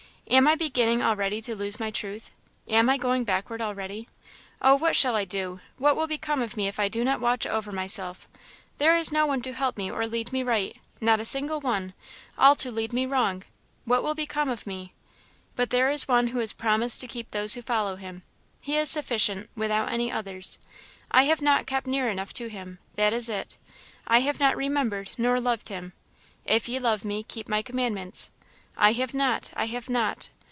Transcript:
Am I beginning already to lose my truth? am I going backward already? Oh, what shall I do! what will become of me if I do not watch over myself; there is no one to help me or lead me right not a single one all to lead me wrong! what will become of me? But there is One who has promised to keep those who follow him he is sufficient, without any others. I have not kept near enough to him! that is it; I have not remembered nor loved him. 'If ye love me, keep my commandments' I have not! I have not!